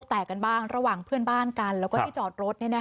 แตกกันบ้างระหว่างเพื่อนบ้านกันแล้วก็ที่จอดรถ